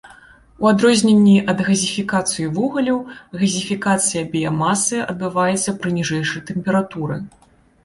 У адрозненне ад газіфікацыі вугалю, газіфікацыя біямасы адбываецца пры ніжэйшай тэмпературы.